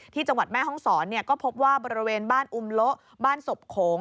ที่จังหวัดแม่ห้องศรก็พบว่าบริเวณบ้านอุมโละบ้านศพโขง